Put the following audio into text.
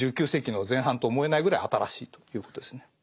１９世紀の前半と思えないぐらい新しいということですね。